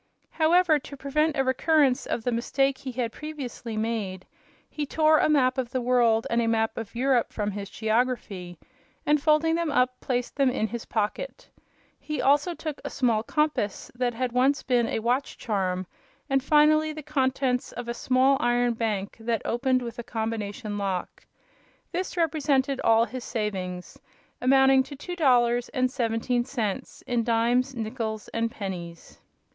However, to prevent a recurrence of the mistake he had previously made, he tore a map of the world and a map of Europe from his geography, and, folding them up, placed them in his pocket. He also took a small compass that had once been a watch charm, and, finally, the contents of a small iron bank that opened with a combination lock. This represented all his savings, amounting to two dollars and seventeen cents in dimes, nickles and pennies.